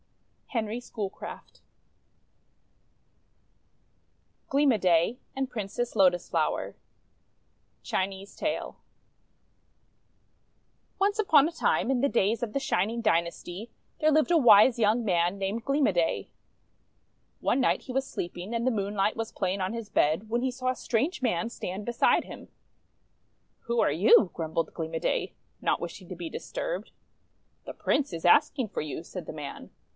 HENRY SCHOOLCRAFT GLEAM O' DAY AND PRINCESS LOTUS FLOWER Chinese Tale ONCE upon a time, in the days of the Shining Dynasty, there lived a wise young man named Gleam o' Day. One night he was sleeping, and the moonlight was playing on his bed, when he saw a strange man stand beside him. "Who are you?' grumbled Gleam o' Day, not wishing to be disturbed. "The Prince is asking for you," said the man.